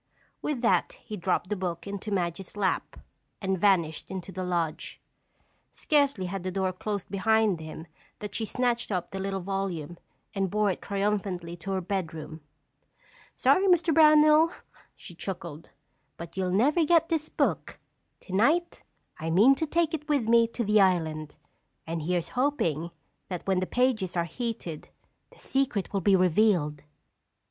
With that he dropped the book into Madge's lap and vanished into the lodge. Scarcely had the door closed behind him that she snatched up the little volume and bore it triumphantly to her bedroom. "Sorry, Mr. Brownell," she chuckled, "but you'll never get this book. Tonight I mean to take it with me to the island. And here's hoping that when the pages are heated, the secret will be revealed!"